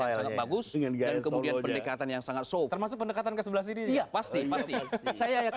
yang sangat bagus dengan penyegaran pendekatan yang sangat sobat pendekatan ke sebelah sini pasti saya